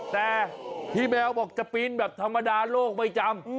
แต่พี่แมวบอกจะปีนแบบธรรมดาโลกไม่จำ